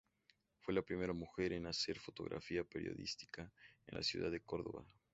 Fue la primera mujer en hacer fotografía periodística en la ciudad de Córdoba.